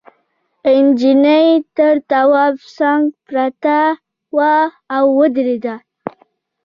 نجلۍ تر تواب څنگ پرته وه او ودرېده.